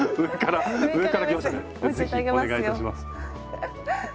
ぜひお願いいたします。